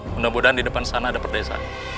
semoga di depan sana ada perdesa